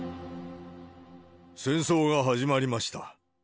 戦争が始まりました。